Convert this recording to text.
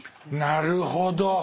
なるほど！